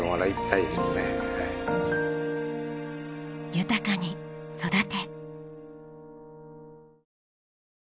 豊かに育て！